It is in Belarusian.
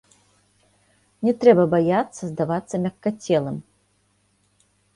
Не трэба баяцца здавацца мяккацелым.